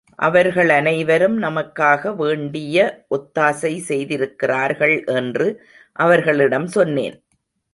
அவர்கள் அனைவரும் நமக்காக வேண்டிய ஒத்தாசை செய்திருக்கிறார்கள் என்று அவர்களிடம் சொன்னேன்.